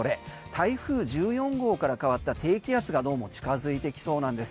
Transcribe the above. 台風１４号から変わった低気圧がどうも近付いてきそうなんです。